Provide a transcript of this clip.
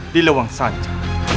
di luwung sanca